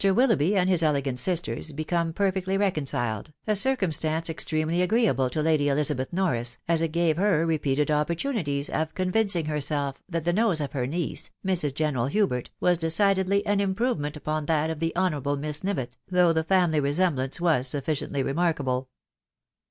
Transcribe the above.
Willoughby and his elegant sisters became perfectly reconciled, — a circumstance extremely agreeable to Lady Eliza beth Norris, as it gave her repeated opportunities of convincing herself that the nose of her niece, Mrs. General Hubert, was decidedly an improvement upon that of the Honourable Miss Nivett, though the family resemblance was sufficiently remark able.